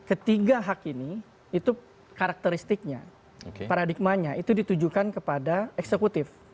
ketiga hak ini itu karakteristiknya paradigmanya itu ditujukan kepada eksekutif